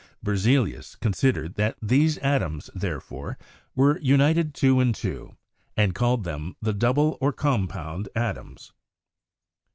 Berzelius considered that these atoms, therefore, were united two and two, and called them the double or compound atoms.